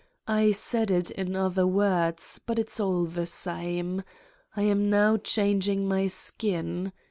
I said it in other words, but it's all the same. I am now changing my skin.